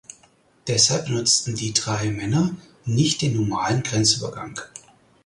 Deshalb benutzten die drei Männer nicht den normalen Grenzübergang.